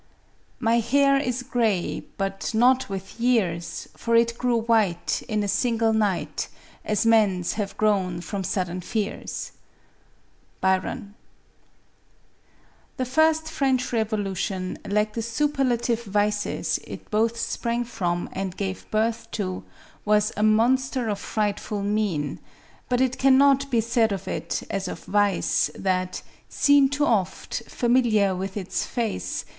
My hair u gray, but nut with years. For it grew white In a single night, As men's have grown from sudden fears." — BTEOH. THE first French Revolution, like the superlative vices it both sprang from and gave birth to, was " a monster of frightful mien ;" but it cannot be said of it, as of vice, that M Seen too oft, familiar with its face.